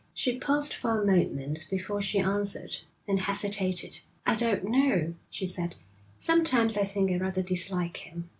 She paused for a moment before she answered, and hesitated. 'I don't know,' she said. 'Sometimes I think I rather dislike him.